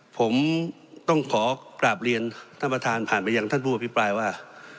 ผมต้องขอกราบเรียนท่านประธานผ่านไปยังท่านผู้อภิปรายว่า